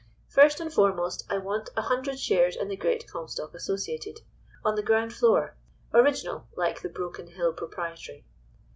"First and foremost, I want a hundred shares in the Great Comstock Associated. On the ground floor. Original, like the Broken Hill Proprietary.